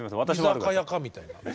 居酒屋かみたいな。